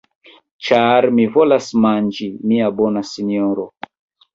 Ĉar mi volas manĝi, mia bona sinjoro.